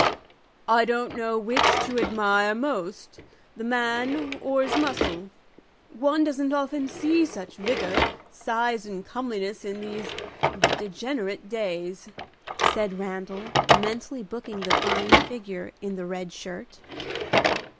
"I don't know which to admire most, the man or his muscle. One doesn't often see such vigor, size and comeliness in these degenerate days," said Randal, mentally booking the fine figure in the red shirt.